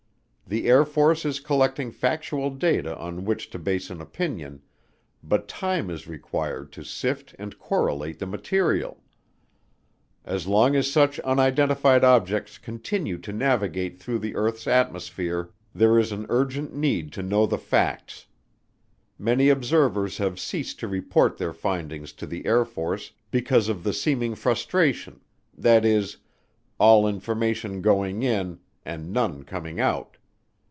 The Air Force is collecting factual data on which to base an opinion, but time is required to sift and correlate the material. "As long as such unidentified objects continue to navigate through the earth's atmosphere, there is an urgent need to know the facts. Many observers have ceased to report their findings to the Air Force because of the seeming frustration that is, all information going in, and none coming out.